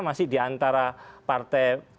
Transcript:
masih diantara partai